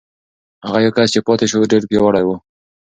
هغه یو کس چې پاتې شو، ډېر پیاوړی و.